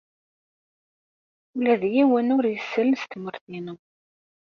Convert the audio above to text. Ula d yiwen ur isell s tmurt-inu.